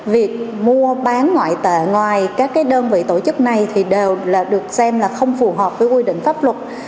việc mua bán ngoại tệ ngoài các đơn vị tổ chức này thì đều được xem là không phù hợp với quy định pháp luật